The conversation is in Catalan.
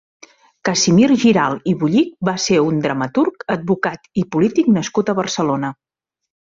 Casimir Giralt i Bullich va ser un dramaturg, advocat i polític nascut a Barcelona.